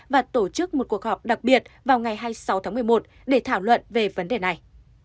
và tổ chức một cuộc họp đặc biệt vào ngày hai mươi sáu tháng một mươi một để thảo luận về vấn đề này